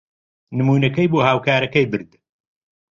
نموونەکەی بۆ هاوکارەکەی برد.